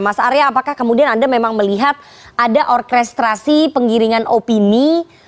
mas arya apakah kemudian anda memang melihat ada orkestrasi penggiringan opini